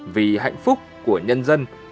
vì hạnh phúc của nhân dân